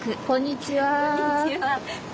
こんにちは。